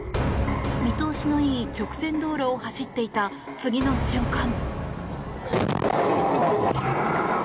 見通しの良い直線道路を走っていた、次の瞬間。